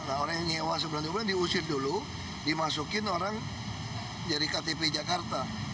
nah orang yang nyewa sebulan dua bulan diusir dulu dimasukin orang dari ktp jakarta